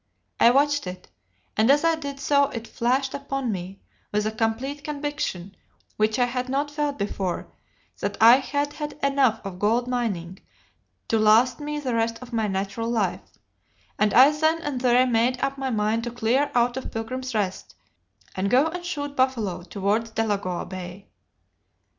I watched it, and as I did so it flashed upon me, with a complete conviction which I had not felt before, that I had had enough of gold mining to last me the rest of my natural life, and I then and there made up my mind to clear out of Pilgrims' Rest and go and shoot buffalo towards Delagoa Bay.